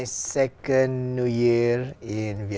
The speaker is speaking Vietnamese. nó khá dễ dàng